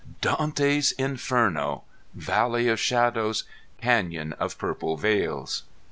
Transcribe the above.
Dante's Inferno! Valley of Shadows! Canyon of Purple Veils!